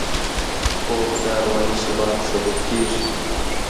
خوب د اروايي ثبات سبب کېږي